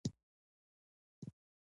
ژوند د انسان د همت هنداره ده.